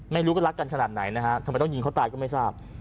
ไม่รู้ก็รักกันขนาดไหนนะฮะทำไมต้องยิงเขาตายก็ไม่ทราบ